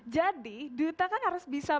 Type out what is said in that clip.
jadi duta kan harus bisa